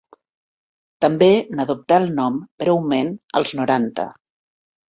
També n'adoptà el nom, breument, als noranta.